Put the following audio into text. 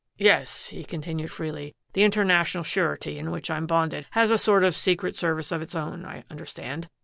"Yes," he continued freely. "The International Surety, in which I'm bonded, has a sort of secret service of its own, I understand.